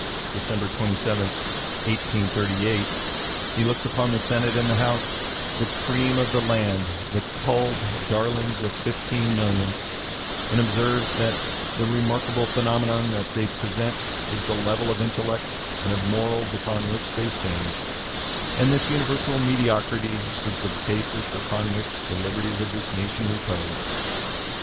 December 27, 1838, he looks upon the Senate and the House, "the cream of the land, the culled darlings of fifteen millions," and observes that "the remarkable phenomenon that they present is the level of intellect and of morals upon which they stand; and this universal mediocrity is the basis upon which the liberties of this nation repose."